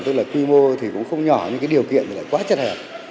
tức là quy mô cũng không nhỏ nhưng điều kiện quá chật hẹp